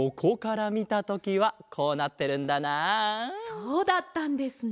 そうだったんですね。